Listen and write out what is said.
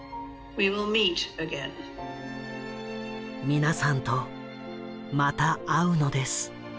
「みなさんとまた会うのです」。